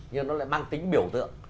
nhưng mà nó lại mang tính biểu tượng